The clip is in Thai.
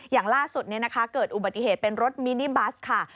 อย่างล่าสุดเกิดอุบัติเหตุเป็นรถมินิบัสค่ะ